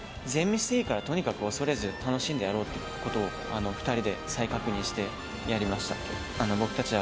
全ミスでいいからとにかく恐れず楽しんでやろうということを２人で再確認してやりました。